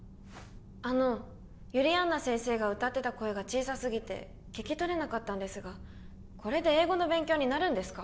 あの由利杏奈先生が歌ってた声が小さすぎて聞き取れなかったんですがこれで英語の勉強になるんですか？